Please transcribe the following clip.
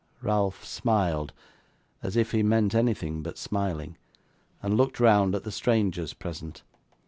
Ralph smiled, as if he meant anything but smiling, and looked round at the strangers present.